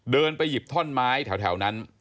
เดินไปหยิบท่อนไม้แถวนั้น